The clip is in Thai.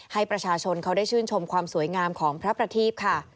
ให้ประชาชนเขาได้ชื่นชมความสวยงามของพระประทีพค่ะ